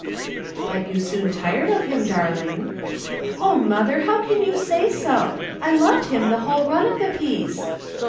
"But you soon tired of him, darling." "Oh, mother! How can you say so? I loved him the whole run of the piece."